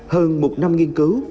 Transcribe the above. hơn một năm nghiên cứu